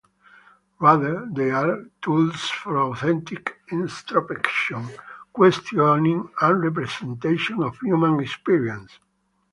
Rather, they are tools for authentic introspection, questioning and representation of human experience.